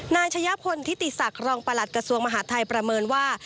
นายชะยะพลทิติศักดิ์รองประหลัดกระทรวงมหาดไทยประเมินว่า